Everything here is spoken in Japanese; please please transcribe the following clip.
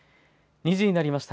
２時になりました。